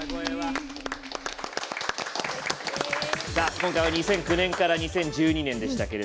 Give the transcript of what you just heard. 今回は２００９年から２０１２年でしたが。